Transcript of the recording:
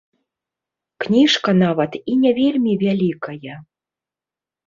Кніжка нават і не вельмі вялікая.